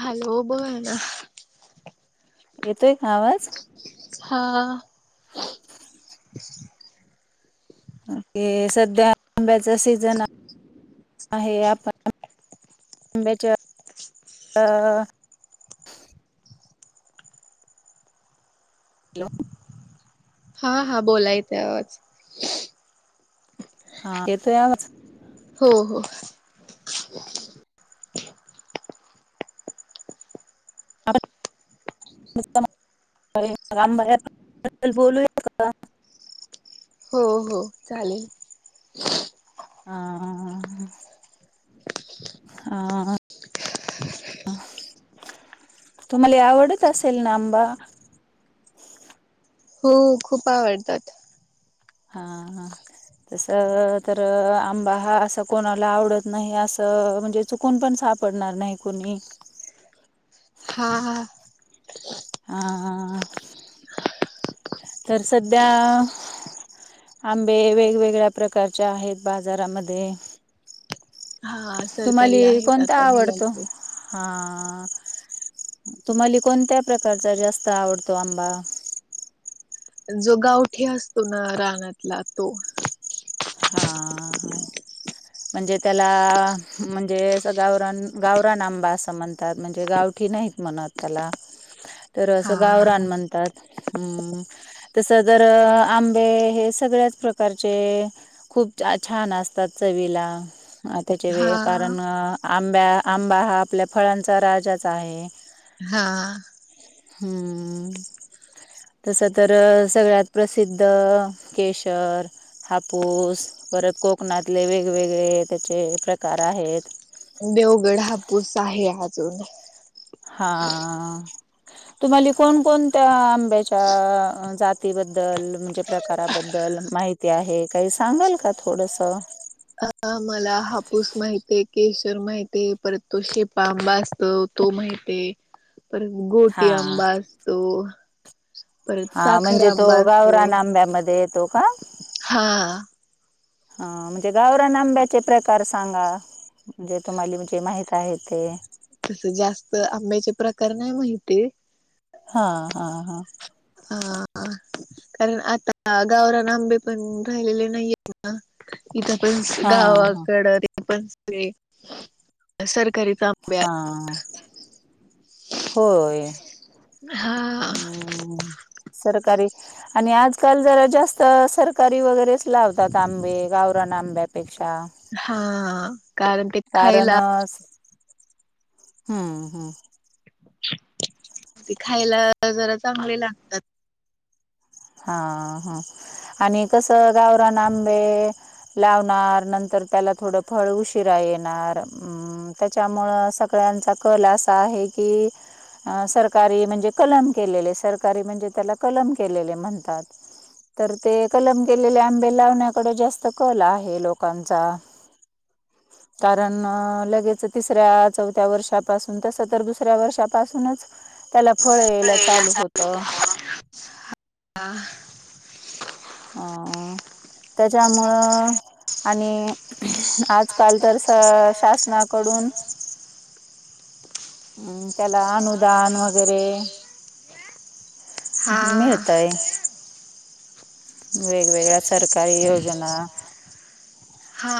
Hello बोल. येतोय का आवाज. हा. [unintelligible] ते सध्या आंब्याचा सीजन आहे आपण. आंब्याचा. हा हा बोलायच आज. हा तेे तर आलंच. हो हो. [unintelligible] बाहेर बोलूया का. हो हो चालेल. हा हा. तुम्हाला आवडत असेल ना आंबा. हो खूप आवडतात. हा हा. तस, तर आंबा हा असं कोणाला आवडत नाही. असं म्हणजे चुक कूण पण सापडणार नाही कोणी. हां हां. हा, तर सध्या. आंबे वेगवेगळ्या प्रकारच्या आहेत. बाजारामध्ये हा सरकारी आहेत आता निघाले. हा तुम्हाला कोणत्या, प्रकारचा जास्त आवडतो आंबा. जो गावठी असतो, ना रानातला तो. हा हा. म्हणजे त्याला, म्हणजे अस गावरान गावरान आंबा असं म्हणतात म्हणजे गावठी नाही. म्हणत त्याला तर असं गावरान म्हणतात. हम्म तस तर आंबे हे, सगळ्याच प्रकारचे. खूप छान असतात चवीला. त्याच्या वे कारण आंब्या आंबा हा आपल्या फळांचा राजाच आहे. हा. हम्म. तसं तर सगळ्यात प्रसिद्ध केशर. पूस परत कोकणातले वेगवेगळे त्याचे प्रकार आहेत. देवगड हापूस आहे अजून. हा. [inaudible] तुम्हाला कोण कोणत्या आंब्याच्या जातीबद्दल म्हणजे प्रकाराबद्दल माहिती. ते आहे काही सांगाल का थोडंस हा मला हापूस माहित आहे केशर माहित आहे परत तो शेपा आंबा असतो तो माहित आहे परत गोटी आंबा असतो हा म्हणजे तो गावरान आंब्यामध्ये येतो का हा म्हणजे गावरान आंब्याचे प्रकार सांगा म्हजे तुम्हाला म्हणजे माहित आहे ते तसं जास्त आंब्याचे प्रकार नाही माहिती हा हा हा हा कारण आता गावराण आंबे पण राहिलेले नाहीये इथ पण गावाकडं पण ते असर करीता ह होय् सरकारी आणि आजकाल जरा जास्त सरकारी वगैरेच लावतात आंबे गावरान आंब्यापेक्षा हा कारण कारण हम्म हम्म ते खायला जरा चांगले लागतात हा हा आणि कस गावरान आंबे लावणार नंतर त्याला थोडं फळ उशिरा येणार हम त्याच्यामुळं सगळ्यांचा कल असा आहे की अ सरकारी म्हणजे कलम केलेले सरकारी म्हणजे त्याला कलम केलेले म्हणतात तर ते कलम केलेले आंबे लावण्याकडे जास्त कल आहे लोकांचा [inaudible] कारण लगेच तिसऱ्या चौथ्या वर्षापासून तसं तर दुसऱ्या वर्षापासूनच [unintelligible] त्याला फळ यायला चालू होतं हा ह त्याच्यामुळं आणि आज काल तर शासनाकडून हम् त्याला अनुदान वगैरे मिळताय वेगवेगळ्या सरकारी योजना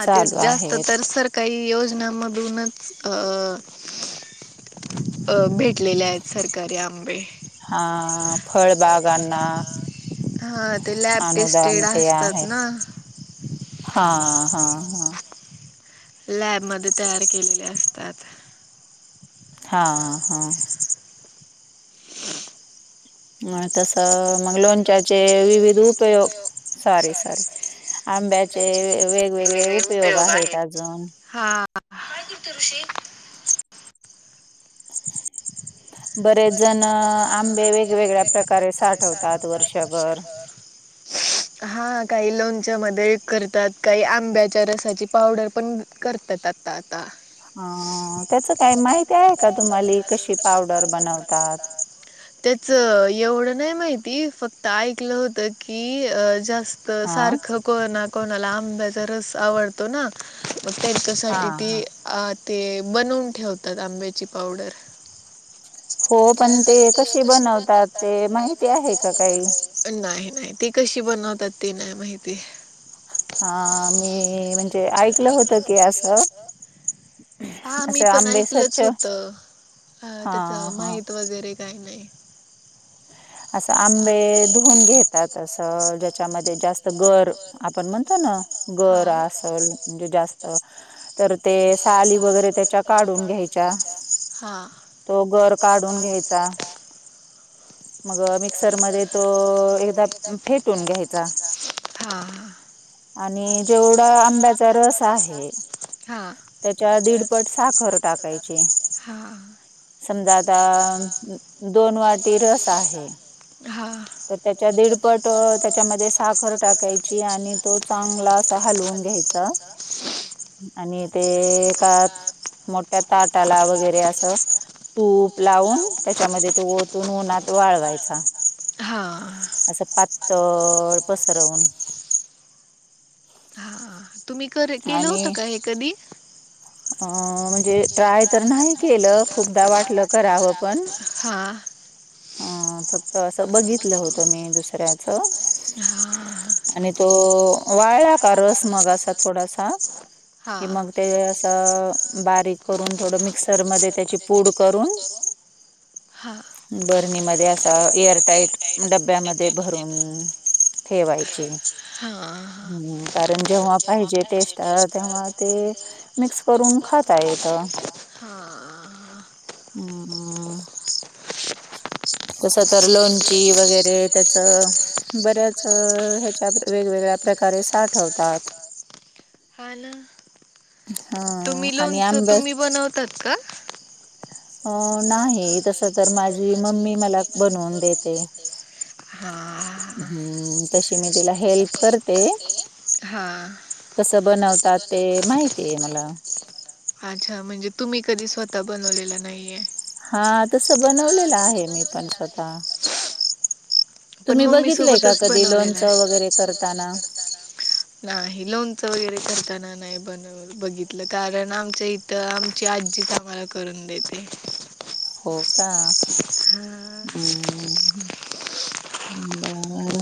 चालू आहेत काही योजनांमधूनच अं अ भेटलेले आहेत सरकारी आंबे फळबाग आंबा हा ते लॅब टेस्टेड असतात ना हा हा हा लॅबमध्ये तयार केलेले असतात हा हा म तस मग लोणच्याचे विविध उपयोग सॉरी सॉरी आंब्याचे वेगवेगळे उपयोग आहेत हा काय करतोय ऋषी बरेच जण आंबे वेगवेगळ्या प्रकारे साठवतात वर्षभर हा काही लोणच्यामध्ये करतात काही आंब्याच्या रसाची पावडर पण करतात आता ता आता त्याचं काय माहिती आहे का तुम्हाले कशी पावडर बनवतात त्याच एवढं नाही माहिती फक्त ऐकलं होतं की अ जास्त स्त सारखं कोणा कोणाला आंब्याचा रस आवडतो ना मग त्यांच्या साठी ती ते बनवून ठेवतात आंब्याची पावडर हो पण ते कशी बनवतात ते माहिती आहे का काही नाही -नाही ती कशी बनवतात, ती नाही माहिती. हा. मी म्हणजे ऐकलं होत की असं हा, मी पण ऐकलच होत, अ त्याच माहित वगैरे काय नाही. असं आंबे धुवून घेतात असं, ज्याच्यामध्ये जास्त गर आपण म्हणतो ना गर असल म्हणजे जास्त, तर ते साली वगैरे त्याच्या. ून घ्याच्या हा. तो गर काढून घ्यायचा. मग मिक्सरमध्ये तो एकदा फेटून घ्यायचा. हां. आणि जेवढा आंब्याचा रस आहे, हां. त्याच्यावर दीडपट साखर टाकायची. हां. समजा, आता दोन वाटी रस आहे. हा. त्याच्या दीडपट त्याच्यामध्ये साखर टाकायची आणि त चांगली हलवून घ्याय का? आणि ते का मोठ्या ताटाला वगैरे असं तूप लावून त्याच्यामध्ये ते ओतून उन्हात वाळवायचा. असं पातळ पसरवून. हा तुम्ही कर केलं होतं काय हे कधी? अ म्हणजे ट्राय तर नाही, केलं खूपदा वाटलं करावं पण हा. हा फक्त असं बघितलं होतं मी दुसऱ्याच. हा हा. आणि तो वाळला का रस, मग असा थोडासा की मग ते असं बारीक करून थोडं मिक्सरमध्ये त्याची पूड करून बर्नीमध्ये असा एअर टाईट डब्यामध्ये भरून ठेवायची. हा. हम्म कारण जेव्हा पाहिजे टेस्ट तेव्हा ते मिक्स करून खाता येत. तसं तर लोणची वगैरे त्याचं बऱ्याच ह्याच्या वेगवेगळ्या प्रकारे साठवतात. हाल. तुम्ही लोणच तुम्ही बनवतात का? अ नाही, तस तर माझी मम्मी मला बनवून देते. हा. हम्म तशी मी तिला हेल्प करते. हा. कसं बनवतात ते माहितीय मला. अच्छा! म्हणजे तुम्ही कधी स्वतः बनवलेला नाहीये. हा तस बनवलेलं आहे, मी पण स्वतः. तुम्ही बघितलेय का कधी? लोणच वगैरे करताना. नाही. लोणच वगैरे करताना नाही बघितल. बघितलं. कारण आमच्या इथं आमची आजीच आम्हाला करून देते. हो का. हा. हम् बर.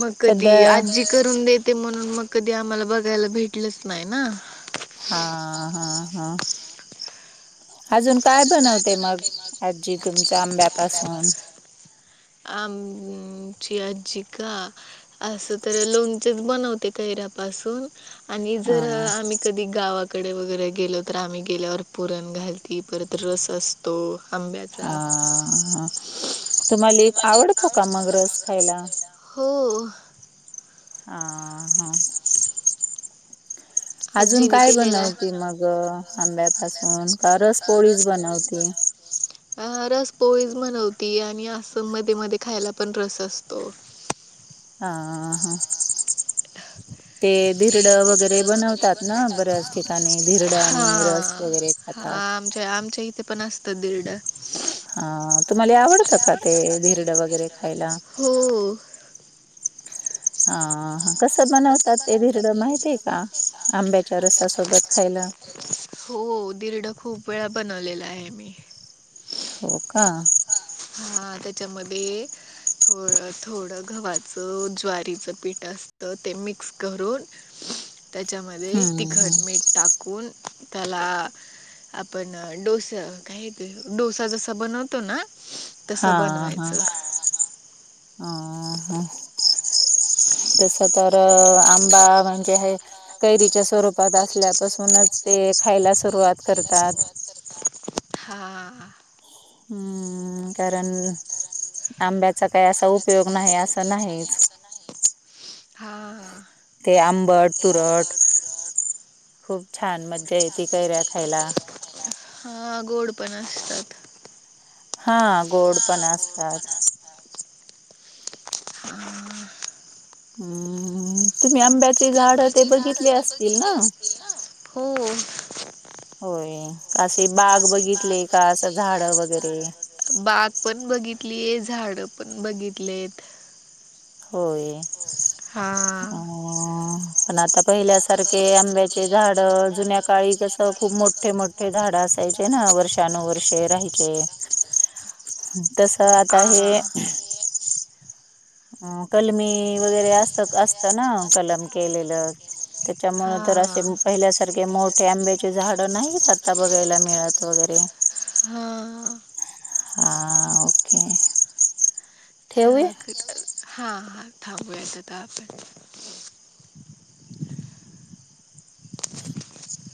मग कधी आजी करून देते म्हणून मग कधी आम्हाला बघायला भेटलच नाही ना. हा हा हा. अजून काय बनवते मग आजी तुमच्या आंब्यापासून. आमची आजी का. अस तर लोणचंच बनवते कैऱ्यापासून आणि जर आम्ही कधी गावाकडे वगैरे गेलो तर आम्ही गेल्यावर पुरण घालती परत रस असतो. तो आंब्याचा. ह हा तुम्हाला एक आवडतो का मग रस खायला. हो. हा हा अजून काय बनवते मग. ग आंब्या पाासून का रसपोळीच बनवती. अ रस पोळीच बनवती आणि आस म मध्ये मध्ये खायला पण रस असतो. हा हा. ते धिरड वगैरे बनवतात ना बऱ्याच. ठिकाणी धिरड आणि रस वगैरे खातात. हा तुम्हाला आवडतं का ते धिरड वगैरे खायला. हो. हा कसं बनवतात ते धिरड माहितीय का. आंब्याच्या रसासोबत खायला. हो धीरड खूप वेळा बनवलेला आहे मी. हो का. हा त्याच्यामध्ये. थो थोडं गव्हाचं ज्वारीचं पीठ असतं ते मिक्स करून त्याच्यामध्ये तिखट मीठ टाकून त्याला आपण डोस काय येत डोसा जसा बनवतो ना तस बनवायचं. अ तस तर आंबा म्हणजे आहे. कैरीच्या स्वरूपात असल्यापासूनच ते खायला सुरुवात करतात. [unintelligible] हम्म कारण आंब्याचा काही असा उपयोग नाही असं नाहीच. हा हा. ते आंबट तुरट खूप छान मज्जा येते कैऱ्या खायला. हा गोड उसद. हा गोड पण असतात. हम्म तुम्ही आंब्याचे झाड ते बघितले असतील ना. होय काे बाग बघितले का असं झाड वगैरे बाग पण बघितलीय झाड पण बघितलीत. होय. हा. पण आता पहिल्यासारखे आंब्याचे झाड जुन्या काळी कसं खूप मोठ. मोठे मोठे झाड असायचे ना वर्षानुवर्षे राहायचे. ते तस आता हे. अ कलमी वगैरे अस असतं ना कलम केलेलं. त्याच्यामुळे जर असे पहिल्या े मोठे आंब्याचे झाड नाही आता बघायला मिळत वगैरे हा ओके. ठेऊ. हां हां थांबूयात आता आपण